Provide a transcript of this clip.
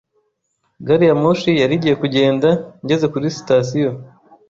Gari ya moshi yari igiye kugenda ngeze kuri sitasiyo.